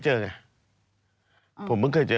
เพราะวันอื่นผมไม่เจอ